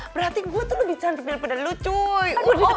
berarti gue tuh lebih cantik daripada lu cuy